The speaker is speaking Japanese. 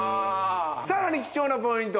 さらに貴重なポイント